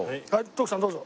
徳さんどうぞ。